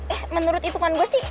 eh menurut hitungan gue sih